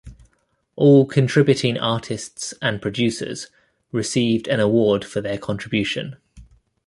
All contributing artists and producers received an award for their contribution.